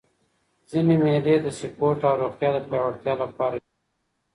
ځيني مېلې د سپورټ او روغتیا د پیاوړتیا له پاره جوړېږي.